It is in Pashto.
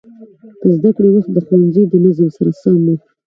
د زده کړې وخت د ښوونځي د نظم سره سم و.